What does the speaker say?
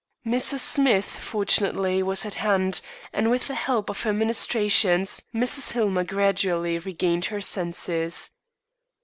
Mrs. Smith, fortunately, was at hand, and with the help of her ministrations, Mrs. Hillmer gradually regained her senses.